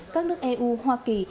các nước eu hoa kỳ